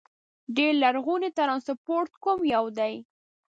ډېر لرغونی ترانسپورت کوم یو دي؟